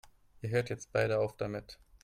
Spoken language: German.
Ihr hört jetzt beide auf damit!